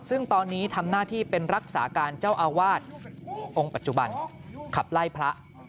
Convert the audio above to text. ซึ่งตอนนี้ทำหน้าที่เป็นรักษาการเจ้าอาวาสองค์ปัจจุบันขับไล่พระ